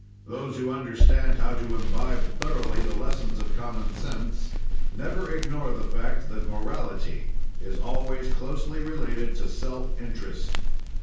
"Those who understand how to imbibe thoroughly the lessons of common sense, never ignore the fact that morality is always closely related to self interest.